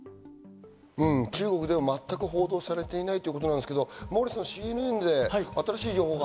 中国では全く報道されていないということですけど、モーリーさん、ＣＮＮで新しい情報が。